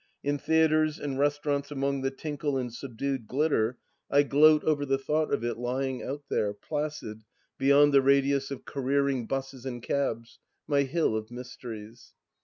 In theatres, in restaurants among the tinkle and subdued glitter, I gloat over the thought of it lying out there, placid, beycind the radius of careering buses and cabs, my hill of mysteries.